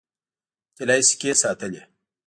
طلايي سکې ساتلې.